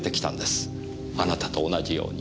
あなたと同じように。